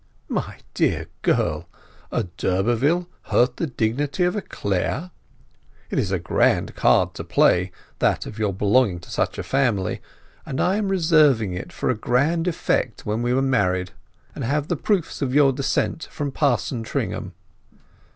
"My dear girl—a d'Urberville hurt the dignity of a Clare! It is a grand card to play—that of your belonging to such a family, and I am reserving it for a grand effect when we are married, and have the proofs of your descent from Parson Tringham.